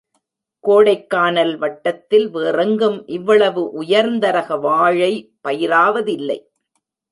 கோடைக்கானல் வட்டத்தில் வேறெங்கும் இவ்வளவு உயர்ந்த ரக வாழை பயிராவதில்லை.